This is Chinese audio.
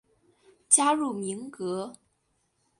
加入民革。